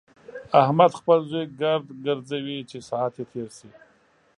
احمد خپل زوی ګرد ګرځوي چې ساعت يې تېر شي.